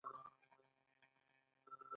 په هماغه کچه د کارګرانو بې وزلي زیاتېږي